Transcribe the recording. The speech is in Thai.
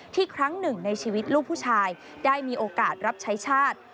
ครั้งหนึ่งในชีวิตลูกผู้ชายได้มีโอกาสรับใช้ชาติ